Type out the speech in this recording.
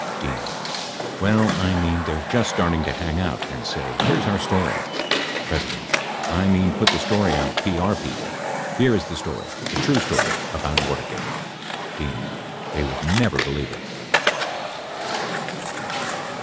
D. Well I mean they're just starting to hang out and say here's our story —— P. I mean put the story out PR people, here is the story, the true story about Watergate. D. They would never believe it